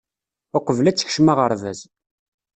Uqbel ad tekcem aɣerbaz.